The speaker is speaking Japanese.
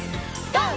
ＧＯ！